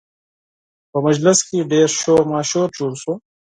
په مجلس کې ډېر شور ماشور جوړ شو